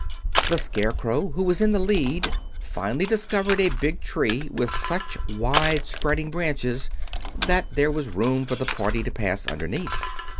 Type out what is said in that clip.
The Scarecrow, who was in the lead, finally discovered a big tree with such wide spreading branches that there was room for the party to pass underneath.